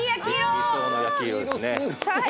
理想な焼き色ですね。